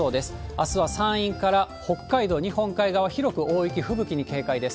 あすは山陰から北海道、日本海側、広く大雪、吹雪に警戒です。